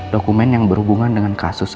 dokumen yang berhubungan dengan kasus